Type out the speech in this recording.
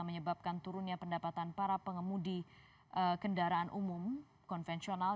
menyebabkan turunnya pendapatan para pengemudi kendaraan umum konvensional